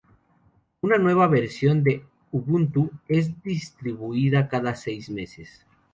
Una nueva versión de Ubuntu es distribuida cada seis meses.